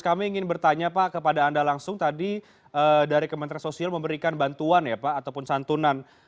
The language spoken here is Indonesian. kami ingin bertanya pak kepada anda langsung tadi dari kementerian sosial memberikan bantuan ya pak ataupun santunan